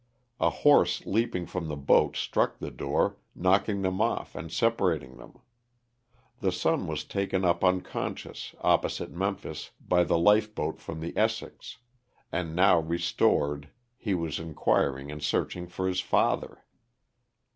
A horse leaping from the boat struck the door, knocking them off and separating them. The son was taken up unconscious opposite Memphis by the life boat from the *' Essex" and now restored he was inquiring and searching for his father.